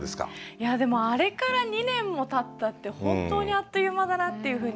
いやでもあれから２年もたったって本当にあっという間だなっていうふうに思いました。